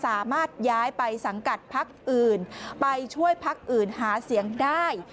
สามารถย้ายไปสังกัดพักอื่นไปช่วยพักอื่นหาเสียงได้